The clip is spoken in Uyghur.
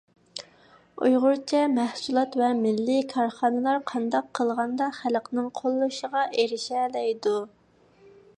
ئۇيغۇرچە مەھسۇلات ۋە مىللىي كارخانىلار قانداق قىلغاندا خەلقنىڭ قوللىشىغا ئېرىشەلەيدۇ؟